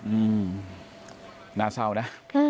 อืมน่าเศร้านะ